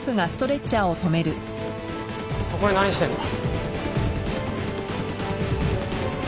そこで何してんだ？